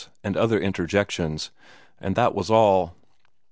and other interjections and that was all.